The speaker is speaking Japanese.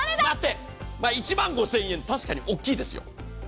だって１万５０００円、確かに大きいですよ。